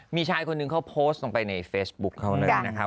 มีชายคนหนึ่งเขาโพสต์ลงไปในเฟซบุ๊คเขาเลยนะครับ